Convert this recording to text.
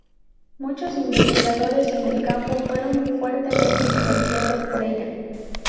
Muchos investigadores en el campo fueron fuertemente influenciados por ella.